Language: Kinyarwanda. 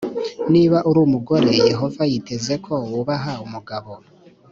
Niba uri umugore Yehova yiteze ko wubaha umugabo